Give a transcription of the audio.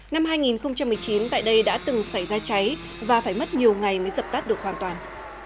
năm hai nghìn một mươi chín tại đây đã từng xảy ra cháy và phải mất nhiều ngày mới dập tắt được hoàn toàn